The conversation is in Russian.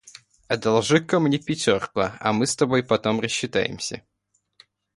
Одолжи-ка мне пятерку, а мы с тобой потом рассчитаемся.